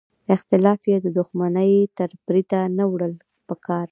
اختلاف یې د دوښمنۍ تر بریده نه وړل پکار.